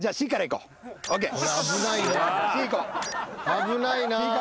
危ないな。